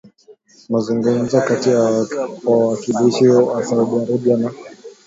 mazungumzo kati ya wawakilishi wa Saudi Arabia na